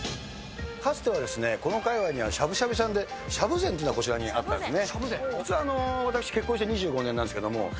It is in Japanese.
かつては、このかいわいにはしゃぶしゃぶ屋さんで、しゃぶ禅っていうのはこちらにあったんですね。